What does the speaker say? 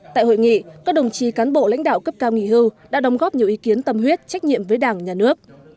tại hội nghị các đồng chí cán bộ lãnh đạo cấp cao nghỉ hưu đã đóng góp nhiều ý kiến tâm huyết trách nhiệm với đảng nhà nước